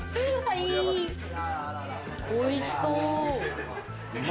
おいしそう。